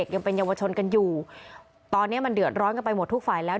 ยังเป็นเยาวชนกันอยู่ตอนนี้มันเดือดร้อนกันไปหมดทุกฝ่ายแล้ว